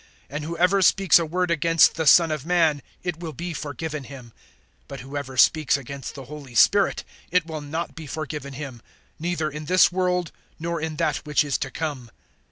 (32)And whoever speaks a word against the Son of man, it will be forgiven him; but whoever speaks against the Holy Spirit, it will not be forgiven him, neither in this world, nor in that which is to come.